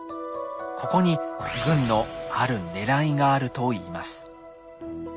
ここに軍のあるねらいがあるといいます。